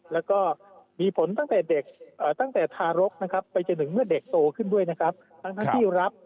แล้วก็มีผลตั้งแต่เด็กตั้งแต่ทารกนะครับไปจนถึงเมื่อเด็กโตขึ้นด้วยนะครับทั้งที่รับ